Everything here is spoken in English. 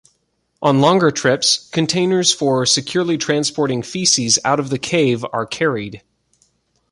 On longer trips, containers for securely transporting feces out of the cave are carried.